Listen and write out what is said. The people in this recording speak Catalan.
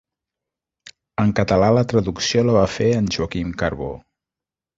En català la traducció la va fer en Joaquim Carbó.